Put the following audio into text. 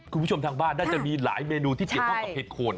คุณผู้ชมทางบ้านน่าจะมีหลายเมนูที่เกี่ยวข้องกับเห็ดโคน